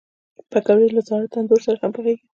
پکورې له زاړه تندور سره هم پخېږي